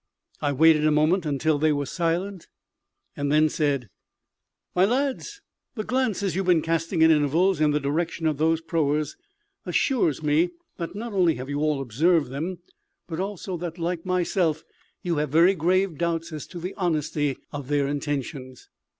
I waited a moment until they were silent, and then said "My lads, the glances you have been casting at intervals in the direction of those proas assures me that not only have you all observed them, but also that, like myself, you have very grave doubts as to the honesty of their intentions.